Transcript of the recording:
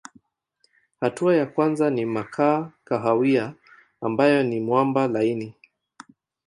Hatua ya kwanza ni makaa kahawia ambayo ni mwamba laini.